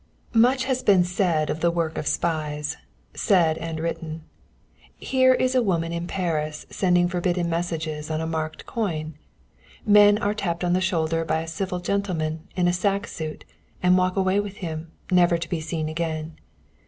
XIII Much has been said of the work of spies said and written. Here is a woman in Paris sending forbidden messages on a marked coin. Men are tapped on the shoulder by a civil gentleman in a sack suit, and walk away with him, never to be seen again.